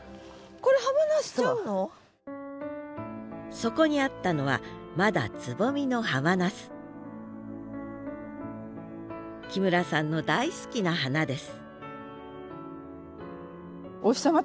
そこにあったのはまだつぼみのハマナス木村さんの大好きな花です